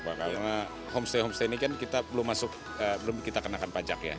karena homestay homestay ini kan kita belum masuk belum kita kenakan pajak ya